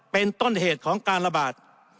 เป็นต้นเหตุของการระบาด